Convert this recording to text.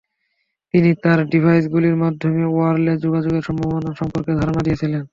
তিনি তার ডিভাইসগুলির মাধ্যমে ওয়্যারলেস যোগাযোগের সম্ভাবনা সম্পর্কে ধারণা দিয়েছিলেন।